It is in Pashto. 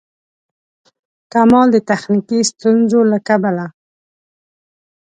کمال د تخنیکي ستونزو له کبله.